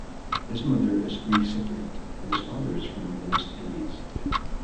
His mother is Greek-Cypriot and his father is from the West Indies.